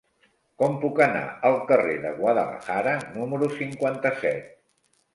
Com puc anar al carrer de Guadalajara número cinquanta-set?